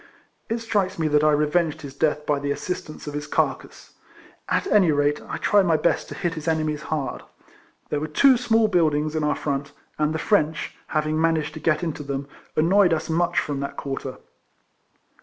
It strikes me that I revenged his death by the assistance of his carcase. At any rate, I tried my best to hit his enemies hard. There were two small buildings in our front; and the French, having managed to get into them, annoyed us much from that quarter.